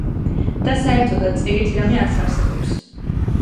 და საერთოდაც, ეგეთი რამე არც არსებობს.